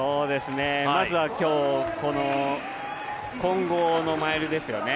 まずは今日混合のマイルですよね